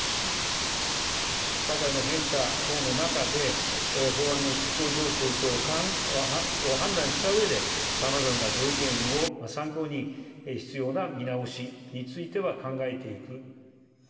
社会の変化等の中で、法案の施行状況を判断したうえで、さまざまなご意見を参考に、必要な見直しについては考えていく。